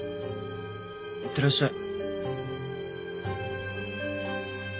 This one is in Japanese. いってらっしゃい。